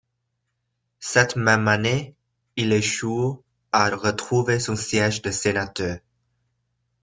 Cette même année, il échoue à retrouver son siège de sénateur.